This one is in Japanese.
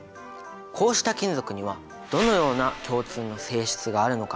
こうした金属にはどのような共通の性質があるのか？